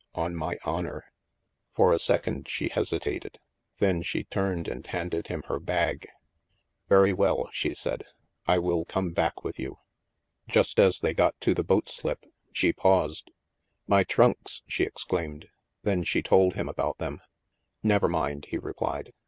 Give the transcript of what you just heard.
On my honor." For a second she hesitated. Then she turned and handed him her bag. " Very well," she said, " I will come back with you." Just as they got to the boat slip, she paused. " My trunks," she exclaimed. Then she told him about them. " Never mind," he replied.